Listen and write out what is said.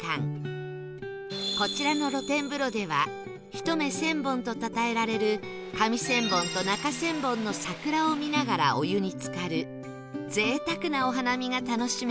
こちらの露天風呂では一目千本とたたえられる上千本と中千本の桜を見ながらお湯につかるぜいたくなお花見が楽しめます